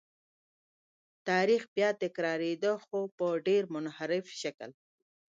تاریخ بیا تکرارېده خو په ډېر منحرف شکل.